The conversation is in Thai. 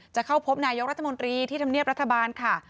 จะเข้าพบนายกรัฐมนตรีที่ทำเนียบรัฐบาลค่ะ